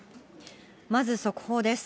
まず、速報です。